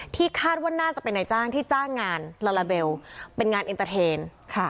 คาดว่าน่าจะเป็นนายจ้างที่จ้างงานลาลาเบลเป็นงานเอ็นเตอร์เทน